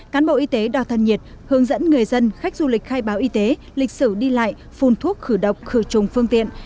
cán bộ y tế đo thân nhiệt hướng dẫn người dân khách du lịch khai báo y tế lịch sử đi lại phun thuốc khử độc khử trùng phương tiện